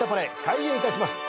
開演いたします。